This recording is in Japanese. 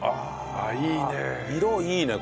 色いいね